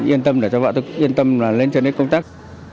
yên tâm để cho vợ tôi yên tâm là lên trên đấy công tác